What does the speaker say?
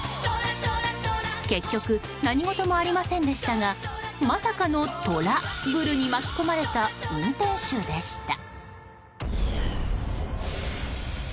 結局、何事もありませんでしたがまさかのトラブルに巻き込まれた運転手でした。